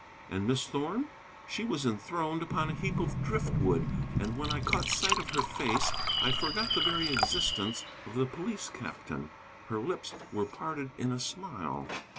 And Miss Thorn? She was enthroned upon a heap of drift wood, and when I caught sight of her face I forgot the very existence of the police captain. Her lips were parted in a smile.